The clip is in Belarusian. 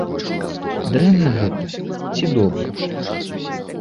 Дрэнна гэта ці добра?